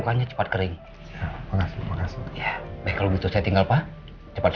mari di sebelah sana